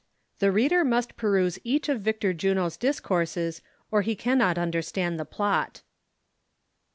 The reader must peruse each of Victor Juno's Dis courses or he cannot understand the plot.